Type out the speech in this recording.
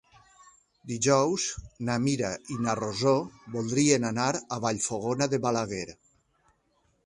Dijous na Mira i na Rosó voldrien anar a Vallfogona de Balaguer.